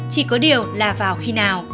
chỉ có điều là vào khi nào